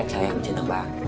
anh trai em trên tầng ba